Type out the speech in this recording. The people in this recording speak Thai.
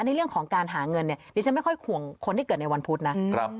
ในเรื่องของการหาเงินเนี่ยดิฉันไม่ค่อยห่วงคนที่เกิดในวันพุธนะ